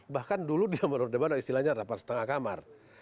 bahkan dulu di nomor debat istilahnya delapan lima kamar